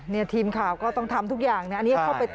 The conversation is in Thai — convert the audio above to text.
นี่ทีมข่าก็ต้องทำทุกอย่างอันนี้เข้าไปตรวจสอบเรื่องต้นให้